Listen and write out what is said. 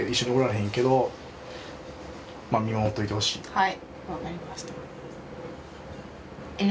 はい